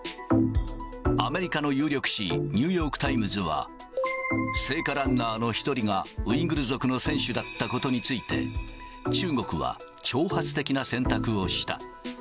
アメリカの有力紙、ニューヨークタイムズは、聖火ランナーの一人がウイグル族の選手だったことについて、中国は挑発的な選択をした。